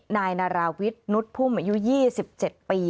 นายนาราวิทย์นุฏภูมิอายุ๒๗ปี